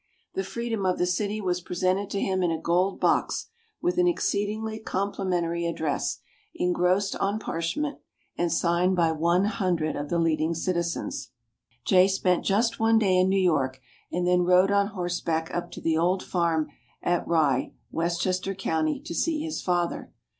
The freedom of the city was presented to him in a gold box, with an exceedingly complimentary address, engrossed on parchment, and signed by one hundred of the leading citizens. Jay spent just one day in New York, and then rode on horseback up to the old farm at Rye, Westchester County, to see his father.